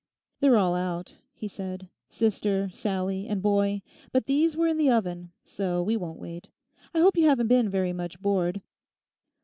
'They're all out,' he said; 'sister, Sallie, and boy; but these were in the oven, so we won't wait. I hope you haven't been very much bored.